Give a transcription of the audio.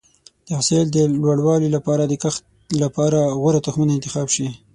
د حاصل د لوړوالي لپاره د کښت لپاره غوره تخمونه انتخاب شي.